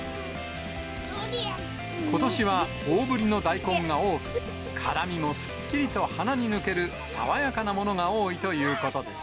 ことしは大ぶりの大根が多く、辛みもすっきりと鼻に抜ける爽やかなものが多いということです。